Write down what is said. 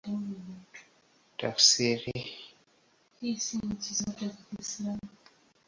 Tafsiri ndege ya juu ya soka ya Kiingereza.